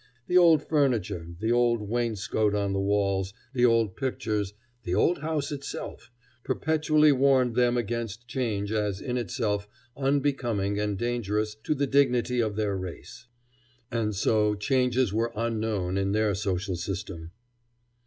The old furniture, the old wainscot on the walls, the old pictures, the old house itself, perpetually warned them against change as in itself unbecoming and dangerous to the dignity of their race. And so changes were unknown in their social system.